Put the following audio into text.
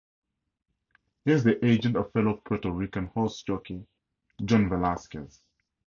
He is the agent of fellow Puerto Rican horse jockey, John Velazquez.